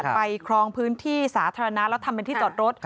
ครองพื้นที่สาธารณะแล้วทำเป็นที่จอดรถ